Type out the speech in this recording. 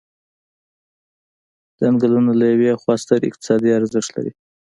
څنګلونه له یوې خوا ستر اقتصادي ارزښت لري.